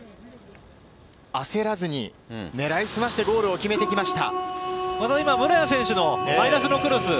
焦らずに狙いすましてゴールを決めてきました。